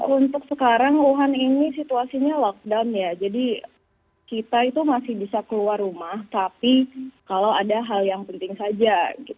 untuk sekarang wuhan ini situasinya lockdown ya jadi kita itu masih bisa keluar rumah tapi kalau ada hal yang penting saja